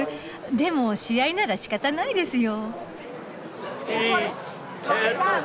でも試合ならしかたないですよ。